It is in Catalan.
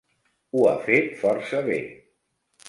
Ho ha fet força bé.